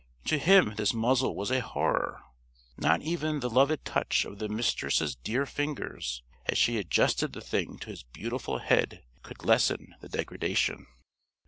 To him this muzzle was a horror. Not even the loved touch of the Mistress' dear fingers, as she adjusted the thing to his beautiful head, could lessen the degradation.